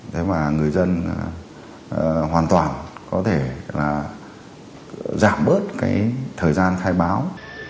thế mà người dân hoàn toàn có thể giảm bớt thời gian khai báo